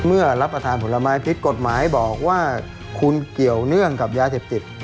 รับประทานผลไม้ผิดกฎหมายบอกว่าคุณเกี่ยวเนื่องกับยาเสพติด